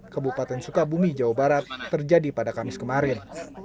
kebupaten sukabumi jawa barat terjadi pada kamis kemarin